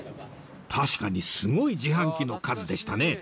確かにすごい自販機の数でしたね